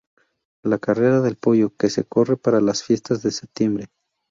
La carrera del pollo, que se corre para las fiestas de septiembre.